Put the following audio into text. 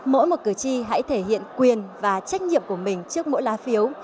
mỗi một cử tri hãy thể hiện quyền và trách nhiệm của mình trước mỗi lá phiếu